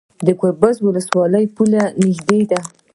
د ګربز ولسوالۍ پولې ته نږدې ده